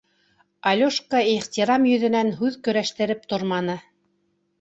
Алёшка ихтирам йөҙөнән һүҙ көрәштереп торманы.